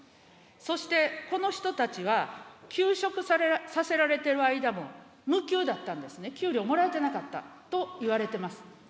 そしてこの人たちは休職させられている間も無給だったんですね、給料もらえてなかったといわれてます。